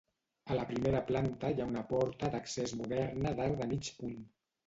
A la primera planta hi ha una porta d’accés moderna d’arc de mig punt.